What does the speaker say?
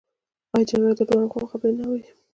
آیا جرګه د دواړو خواوو خبرې نه اوري؟